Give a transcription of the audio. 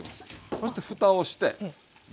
そして蓋をしてですよ